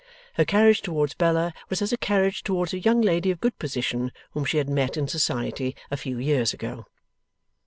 Her carriage towards Bella was as a carriage towards a young lady of good position, whom she had met in society a few years ago.